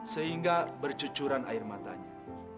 sehingga bercucuran air matanya